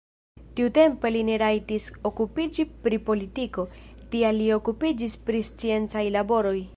Tiutempe li ne rajtis okupiĝi pri politiko, tial li okupiĝis pri sciencaj laboroj.